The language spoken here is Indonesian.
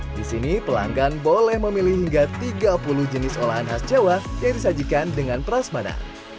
di sini pelanggan boleh memilih hingga tiga puluh jenis olahan khas jawa yang disajikan dengan prasmana